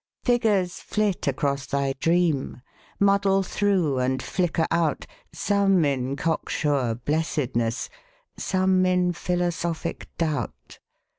Figures flit across thy dream. Muddle through and flicker out Some in cocksure blessedness, Some in Philosophic Doubt.